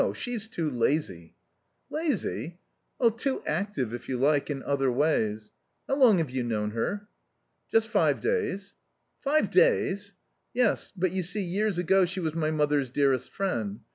She's too lazy." "Lazy?" "Too active, if you like, in other ways.... How long have you known her?" "Just five days." "Five days?" "Yes; but, you see, years ago she was my mother's dearest friend.